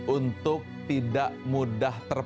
untuk tidak mudah terpaksa